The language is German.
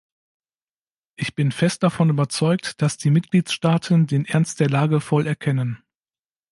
Ich bin fest davon überzeugt, dass die Mitgliedstaaten den Ernst der Lage voll erkennen.